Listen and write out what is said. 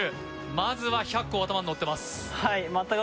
まずは１００個頭にのってます